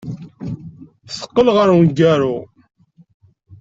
Teqqel ɣer umgaru.